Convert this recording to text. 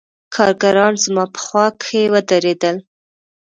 کارګران زما په خوا کښې ودرېدل.